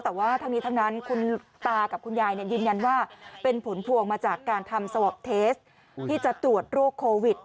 แต่ว่าทั้งนี้ทั้งนั้นคุณตากับคุณยายยืนยันว่าเป็นผลพวงมาจากการทำสวอปเทสที่จะตรวจโรคโควิด